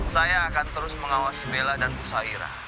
saya akan terus mengawasi bella dan bu saira